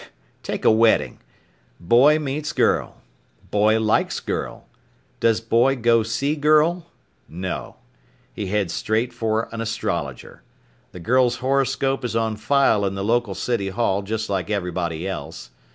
Take a wedding. Boy meets girl. Boy likes girl. Does boy go see girl? No. He heads straight for an astrologer. The girl's horoscope is on file in the local city hall, just like everybody else.